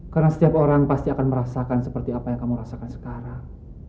karena setiap orang pasti akan merasakan seperti apa yang kamu rasakan sekarang